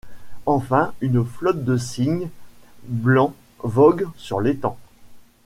Enfin une flotte de cygnes blancs vogue sur l’étang.